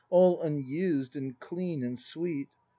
All unused and clean and sweet.